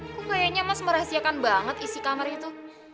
kok kayaknya mas merahasiakan banget isi kamar itu